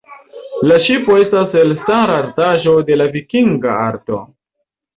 La ŝipo estas elstara artaĵo de la vikinga arto.